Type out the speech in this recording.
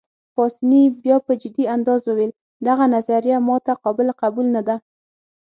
پاسیني بیا په جدي انداز وویل: دغه نظریه ما ته قابل قبول نه ده.